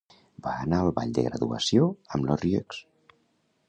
Va anar al ball de graduació amb Larrieux.